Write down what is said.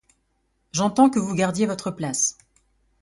J’entends que vous gardiez votre place.